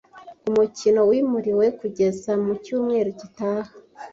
Umukino wimuriwe kugeza mu cyumweru gitaha.